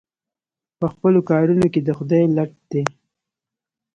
په خپلو کارونو کې د خدای لټ دی.